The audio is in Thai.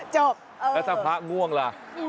จบเออแล้วถ้าพักง่วงล่ะ